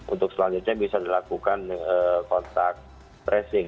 untuk selanjutnya bisa dilakukan kontak tracing